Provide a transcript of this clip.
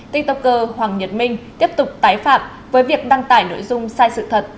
tiktoker hoàng nhật minh tiếp tục tái phạm với việc đăng tải nội dung sai sự thật